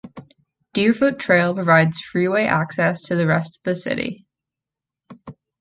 Deerfoot Trail provides freeway access to the rest of the city.